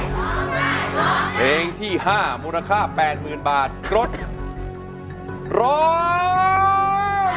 เพลงที่๕มูลค่า๘๐๐๐บาทรถร้อง